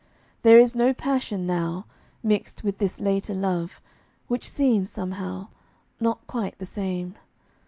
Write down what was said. There is no passion, now, Mixed with this later love, which seems, somehow, Not quite the same.